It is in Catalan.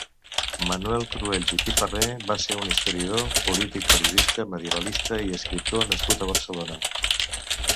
Manuel Cruells i Pifarré va ser un historiador, polític, periodista, medievalista i escriptor nascut a Barcelona.